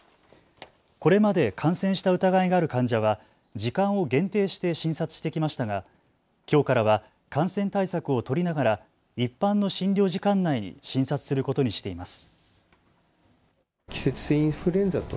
これまで感染した疑いがある患者は時間を限定して診察してきましたが、きょうからは感染対策を取りながら一般の診療時間内に診察することにしています。